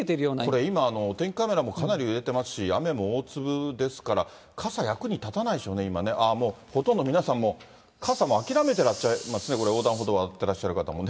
今、お天気カメラもかなり揺れてますし、雨も大粒ですから、傘、役に立たないでしょうね、今ね、もうほとんど皆さん、傘も諦めてらっしゃいますね、横断歩道を渡ってらっしゃる方もね。